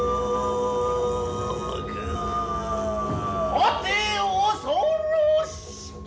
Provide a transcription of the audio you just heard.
「はて恐ろしき！